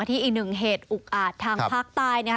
อีกหนึ่งเหตุอุกอาจทางภาคใต้นะคะ